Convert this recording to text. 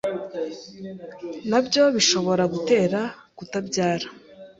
nabyo bishobora gutera kutabyara